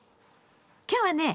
今日はね